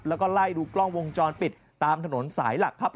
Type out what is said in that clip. แล้วก็ไล่ดูกล้องวงจรปิดตามถนนสายหลักครับ